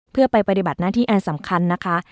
เพื่อไปปฏิบัติหน้าที่อันสำคัญนะคะ